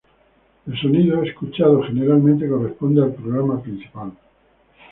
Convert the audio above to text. El sonido escuchado generalmente corresponde al programa principal.